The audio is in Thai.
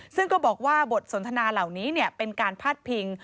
ซึ่งก็บอกว่าบทสนทนาเหล่านี้เป็นการพาดพิง